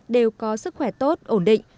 đều có sức khỏe tốt ổn định